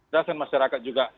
dasar masyarakat juga